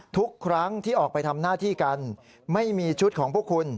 ทุกครั้งที่ออกไปทำหน้าที่กันไม่มีชุดของพวกคุณ